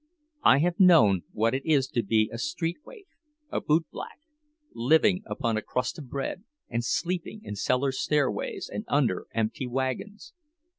I have known what it is to be a street waif, a bootblack, living upon a crust of bread and sleeping in cellar stairways and under empty wagons.